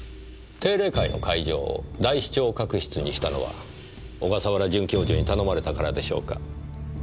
定例会の会場を大視聴覚室にしたのは小笠原准教授に頼まれたからでしょうか？